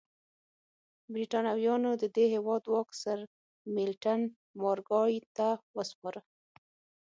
برېټانویانو د دې هېواد واک سرمیلټن مارګای ته وسپاره.